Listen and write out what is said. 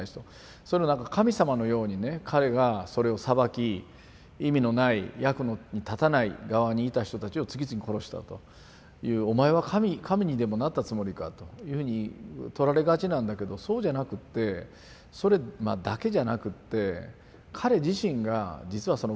それをなんか神様のようにね彼がそれを裁き意味のない役に立たない側にいた人たちを次々殺したという「お前は神にでもなったつもりか」というふうに取られがちなんだけどそうじゃなくってそれだけじゃなくって彼自身が実はその分断線ですね